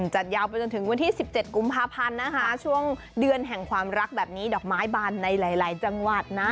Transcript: จัดยาวไปจนถึงวันที่๑๗กุมภาพันธ์นะคะช่วงเดือนแห่งความรักแบบนี้ดอกไม้บานในหลายจังหวัดนะ